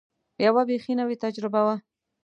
یوه بېخي نوې تجربه وه.